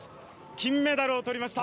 金メダルを取りました。